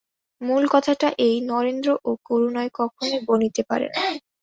মূল কথাটা এই, নরেন্দ্র ও করুণায় কখনোই বনিতে পারে না।